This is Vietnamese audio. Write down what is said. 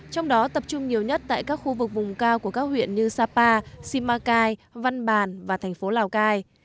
trong đó tập trung nhiều nhất tại các khu vực vùng cao của các huyện như sapa simacai văn bàn và thành phố lào cai